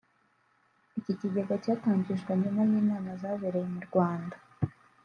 Iki kigega gitangijwe nyuma y’inama zabereye mu Rwanda